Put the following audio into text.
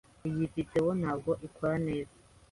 Iyi videwo ntabwo ikora neza.